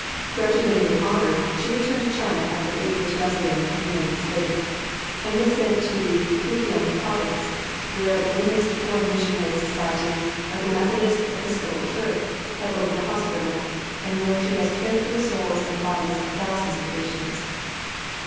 Graduating with honor, she returned to China after eight years' residence in the United States and was sent to the Fukien Province, where the Woman's Foreign Missionary Society of the Methodist Episcopal Church had opened a hospital, and where she has cared for the souls and bodies of thousands of patients.